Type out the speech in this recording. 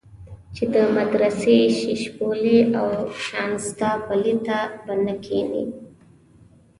چې د مدرسې ششپولي او شانزدا پلي ته به نه کېنې.